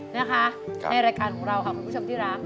นะคะในรายการของเราค่ะคุณผู้ชมที่รัก